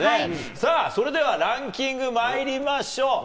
さあ、それではランキングまいりましょう。